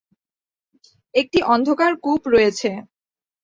একটি অন্ধকার কূপ রয়েছে।